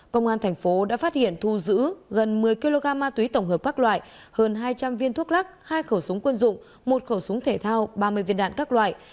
công an thành phố đã phát hiện thu giữ gần một mươi kg ma túy tổng hợp các loại hơn hai trăm linh viên thuốc lắc hai khẩu súng quân dụng một khẩu súng thể thao ba mươi viên đạn các loại